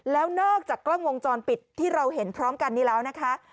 แล้วนอกจากกล้องวงจรปิดที่เราเห็นพร้อมกันนี้แล้วนะคะ